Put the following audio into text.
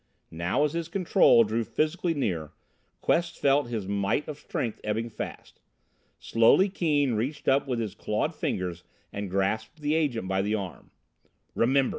Now as his Control drew physically near, Quest felt his mite of strength ebbing fast. Slowly Keane reached up with his clawed fingers and grasped his Agent by the arm. "Remember!"